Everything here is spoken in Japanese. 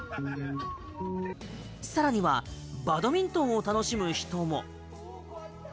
さらにはバドミントンを楽しむ人も。